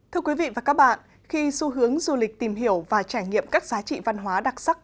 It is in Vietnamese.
thưa quý vị và các bạn khi xu hướng du lịch tìm hiểu và trải nghiệm các giá trị văn hóa đặc sắc